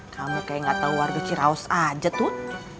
kamu kayak gak tau warga ciraos aja tuh